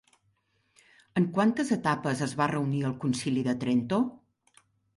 En quantes etapes es va reunir el Concili de Trento?